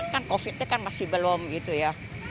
kan covid nya kan masih belum gitu ya